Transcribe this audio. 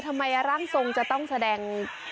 ทำไมร่างทรงจะต้องแสดง